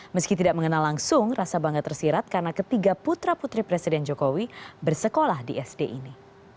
meski tidak mengenal langsung rasa bangga tersirat karena ketiga putra putri presiden jokowi bersekolah di sd ini